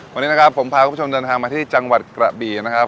วันนี้นะครับผมพาคุณผู้ชมเดินทางมาที่จังหวัดกระบี่นะครับ